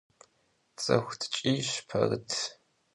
Ts'ıxu tç'iyş Perıt.